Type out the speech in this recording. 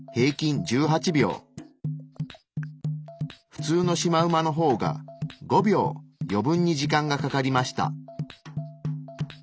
普通のシマウマの方が５秒余分に時間がかかりました。